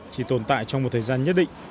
chỉ tồn tại trong một thời gian nhất định